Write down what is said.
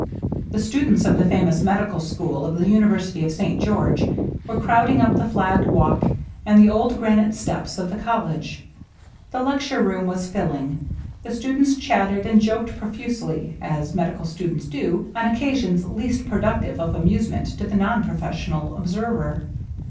The students of the famous medical school of the 82 LOVELINESS. Universily of St. George were crowding up the flagged walk and the old granite steps of the col lege; the lecture room was filling; the students chatted and joked profusely, as medical students do, on occasions least productive of amusement to the non professional observer.